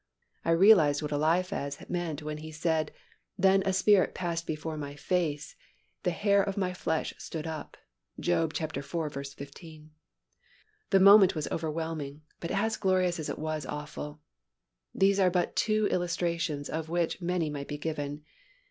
I realized what Eliphaz meant when he said, "Then a spirit passed before my face; the hair of my flesh stood up" (Job iv. 15). The moment was overwhelming, but as glorious as it was awful. These are but two illustrations of which many might be given.